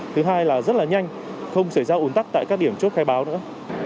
thứ hai là rất là nhanh không xảy ra ủn tắc tại các điểm chốt khai báo nữa